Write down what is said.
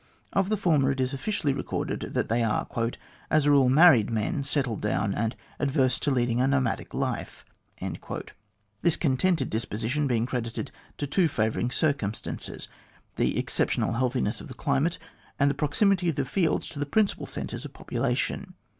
Of the former, it is officially recorded that they are "as a rule married men, settled down, and adverse to leading a nomadic life," this contented disposition being credited to two favouring circumstances the exceptional healthiness of the climate, and the proximity of the fields to the principal centres of population.